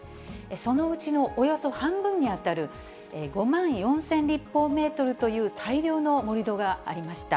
そのうちのおよそ半分に当たる５万４０００立方メートルという大量の盛り土がありました。